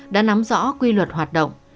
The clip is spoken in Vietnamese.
đã nắm rõ quy luật hoạt động